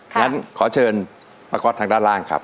งั้นขอเชิญป้าก๊อตทางด้านล่างครับ